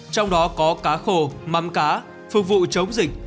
trong đó có cá khô mắm cá phục vụ chống dịch